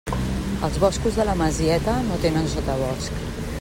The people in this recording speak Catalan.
Els boscos de la Masieta no tenen sotabosc.